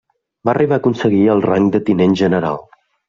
Va arribar a aconseguir el rang de tinent general.